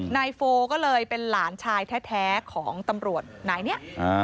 นายโฟก็เลยเป็นหลานชายแท้ของตำรวจนายนี้